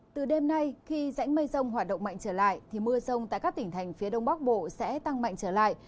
từ đêm nay khi rãnh mây rông hoạt động mạnh trở lại thì mưa rông tại các tỉnh thành phía đông bắc bộ sẽ tăng mạnh trở lại